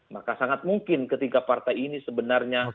maka sangat mungkin ketika partai ini sebenarnya